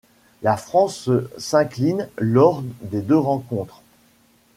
La France s'incline lors des deux rencontres.